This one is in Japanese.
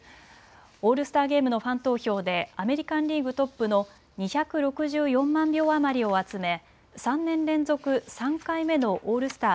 オールスターゲームのファン投票でアメリカンリーグトップの２６４万票余りを集め３年連続３回目のオールスター